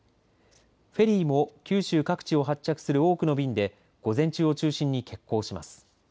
フェリーも九州各地を発着する多くの便で午前中を中心に欠航します。